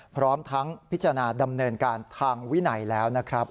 พร้อมทั้งพิจารณาดำเนินการทางวินัยแล้วนะครับ